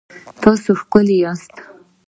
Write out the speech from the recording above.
تاسو ښکلي یاست